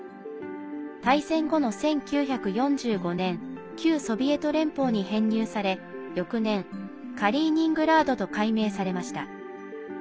大戦後の１９４５年旧ソビエト連邦に編入され翌年、カリーニングラードと改名されました。